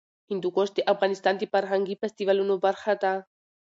هندوکش د افغانستان د فرهنګي فستیوالونو برخه ده.